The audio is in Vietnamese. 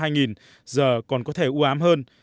giờ còn có thể ưu ám hơn